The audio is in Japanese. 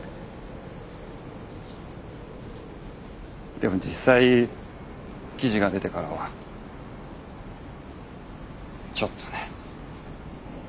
でも実際記事が出てからはちょっとね。